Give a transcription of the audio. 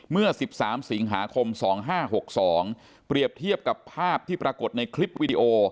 เมื่อสิบสามสิงหาคมสองห้าหกสองเปรียบเทียบกับภาพที่ปรากฏในคลิปวิดีโอ